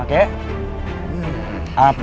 aku akan menemukanmu